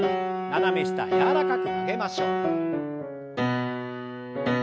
斜め下柔らかく曲げましょう。